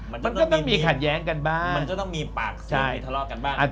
มันก็ต้องมีขัดแย้งกันบ้างมันก็ต้องมีปากเสียงทะเลาะกันบ้าง